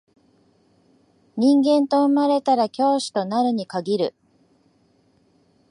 人間と生まれたら教師となるに限る